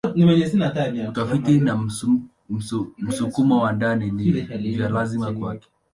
Utafiti na msukumo wa ndani ni vya lazima kwake.